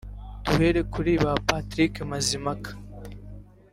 Duhere kuri ba Patrick mazimpaka